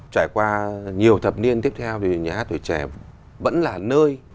trải qua nhiều thập niên tiếp theo thì nhà hát tuổi trẻ vẫn là nơi